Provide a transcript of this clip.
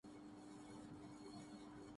اس تجزیے کا تعلق دوسرے دائرے سے ہے۔